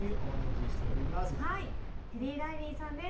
テリー・ライリーさんです。